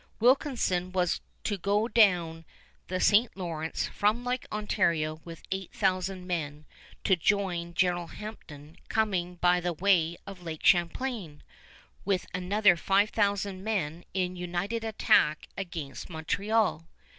Wilkinson was to go down the St. Lawrence from Lake Ontario with eight thousand men to join General Hampton coming by the way of Lake Champlain with another five thousand men in united attack against Montreal.